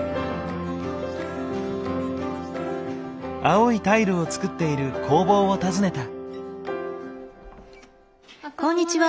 青いタイルを作っている工房を訪ねた。